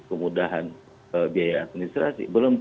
kemudahan biaya administrasi